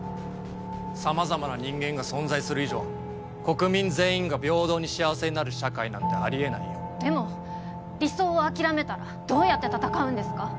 様々な人間が存在する以上国民全員が平等に幸せになる社会なんてありえないよでも理想を諦めたらどうやって戦うんですか？